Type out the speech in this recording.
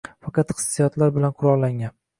faqat hissiyot bilan «qurollangan»